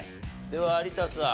では有田さん。